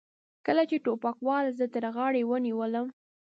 کله چې ټوپکوال زه تر غاړې ونیولم.